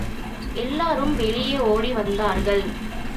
எல்லோரும் வெளியே ஒடி வந்தார்கள்.